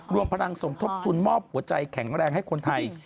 รวมพลังสมทบทุนมอบหัวใจแข็งแรงให้คนไทย